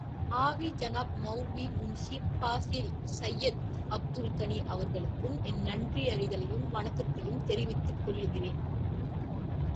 ஆவி ஜனாப் மெளல்வி முன்ஷி பாசில் சையத் அப்துல் கனி அவர்களுக்கும் என் நன்றியறிதலையும், வணக்கத்தையும் தெரிவித்துக் கொள்ளுகிறேன்.